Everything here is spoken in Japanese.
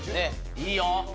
いいよ！